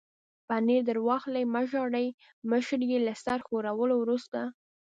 پنیر در واخلئ، مه ژاړئ، مشرې یې له سر ښورولو وروسته.